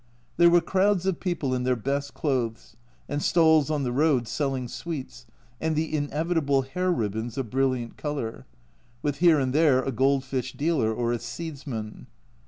There were crowds of people in their best clothes, and stalls on the road selling sweets, and the inevitable hair ribbons of brilliant colour ; with here and there a gold fish dealer or a seedsman.